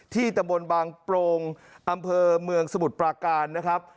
ตะบนบางโปรงอำเภอเมืองสมุทรปราการนะครับ